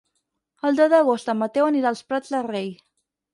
El deu d'agost en Mateu anirà als Prats de Rei.